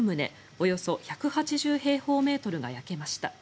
およそ１８０平方メートルが焼けました。